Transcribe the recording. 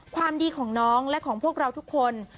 ความดีของน้องและของพวกเราทุกคน